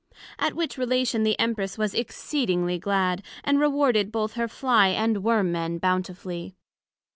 At which Relation the Empress was exceedingly glad, and rewarded both her Fly and Worm men bountifully.